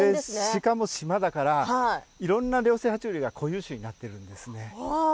しかも、島だからいろんな両生類や、は虫類が固有種になっています。